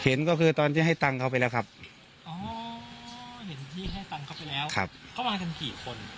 เห็นก็คือตอนที่ให้ตังเขาไปแล้วครับเขามากันกี่คน